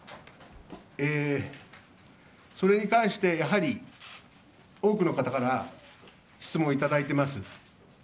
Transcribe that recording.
それに関してやはり多くの方から質問をいただいています。